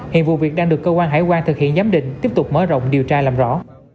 hiện vụ việc đang được cơ quan hải quan thực hiện giám định tiếp tục mở rộng điều tra làm rõ